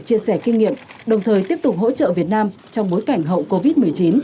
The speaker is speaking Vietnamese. chia sẻ kinh nghiệm đồng thời tiếp tục hỗ trợ việt nam trong bối cảnh hậu covid một mươi chín